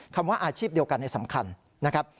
ว่าอาชีพเดียวกันสำคัญนะครับ